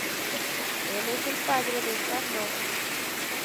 Él es el padre de Star-Lord.